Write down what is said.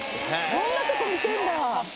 そんなとこ見てんだ